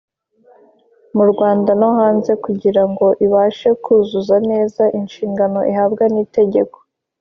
mu Rwanda no hanze kugira ngo ibashe kuzuza neza inshingano ihabwa n itegeko